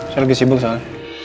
saya lagi sibuk soalnya